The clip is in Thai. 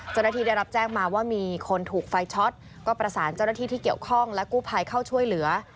เจ้าหน้าที่ได้รับแจ้งมาว่ามีคนถูกไฟช็อตก็ประสานเจ้าหน้าที่ที่เกี่ยวข้องและกู้ภัยเข้าช่วยเหลือ